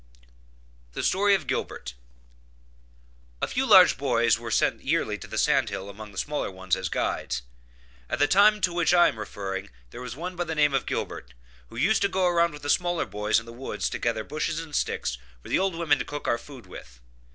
THE STORY OF GILBERT. A few large boys were sent yearly to the sand hill among the smaller ones, as guides. At the time to which I am referring there was one by the name of Gilbert, who used to go around with the smaller boys in the woods to gather bushes and sticks for the old women to cook our food with.